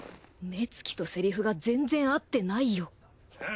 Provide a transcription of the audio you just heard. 目つきとセリフが全然合ってないよ。